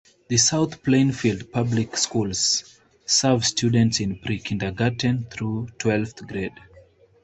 The South Plainfield Public Schools serve students in pre-kindergarten through twelfth grade.